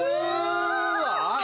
うわ！